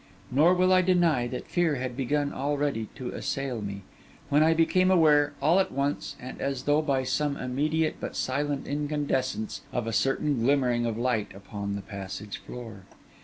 Nor will I deny that fear had begun already to assail me, when I became aware, all at once and as though by some immediate but silent incandescence, of a certain glimmering of light upon the passage floor.